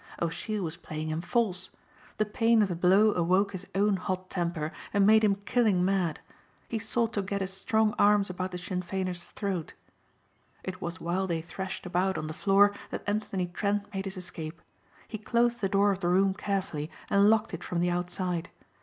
O'Sheill was playing him false. The pain of the blow awoke his own hot temper and made him killing mad. He sought to get his strong arms about the Sinn Feiner's throat. It was while they thrashed about on the floor that Anthony Trent made his escape. He closed the door of the room carefully and locked it from the outside.